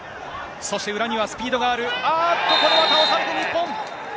そして裏にはスピードがある、あっと、これは倒された、日本。